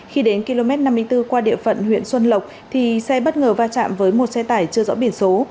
khi đến km năm mươi bốn qua địa phận huyện xuân lộc thì xe bất ngờ va chạm với một xe tải chưa rõ biển số